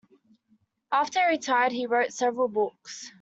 After he retired he wrote several books.